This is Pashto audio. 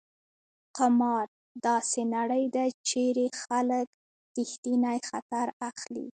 قمار: داسې نړۍ ده چېرې خلک ریښتینی خطر اخلي.